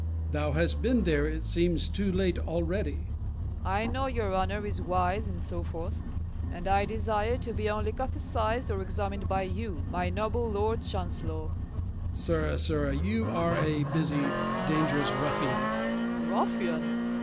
MORE. Thou hast been there, it seems, too late already. FAULKNER. I know your honor is wise and so forth; and I desire to be only cathecized or examined by you, my noble Lord Chancellor. MORE. Sirrah, sirrah, you are a busy dangerous ruffian. FAULKNER. Ruffian!